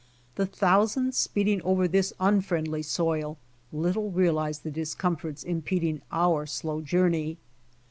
The thousands speeding over this unfriendly soil little real ize the discomforts impeding our slow journey.